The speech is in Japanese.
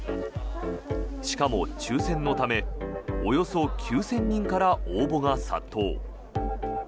しかも、抽選のためおよそ９０００人から応募が殺到。